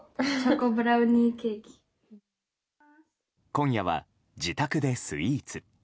今夜は自宅でスイーツ。